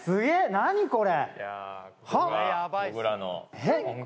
何これ！？